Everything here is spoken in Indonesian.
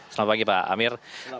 selamat pagi pak amir